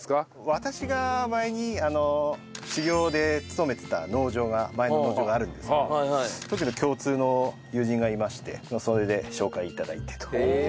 私が前に修業で勤めてた農場が前の農場があるんですけどその時の共通の友人がいましてそれで紹介頂いてという感じですね。